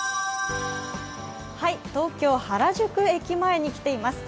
東京・原宿駅前に来ています。